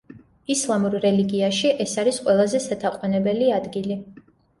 ისლამურ რელიგიაში ეს არის ყველაზე სათაყვანებელი ადგილი.